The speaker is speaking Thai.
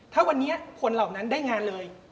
ถ้าวันนี้คนเหล่านั้นได้งานเลย